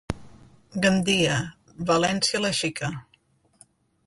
Gandia, València la xica.